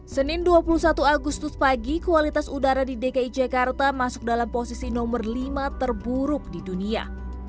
senin dua puluh satu agustus pagi kualitas udara di dki jakarta masuk dalam posisi nomor lima terburuk di dunia